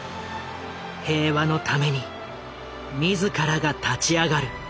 平和のために自らが立ち上がる。